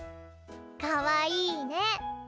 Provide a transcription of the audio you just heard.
かわいいね。